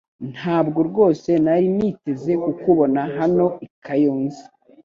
Ntabwo rwose nari niteze kukubona hano i Kayonza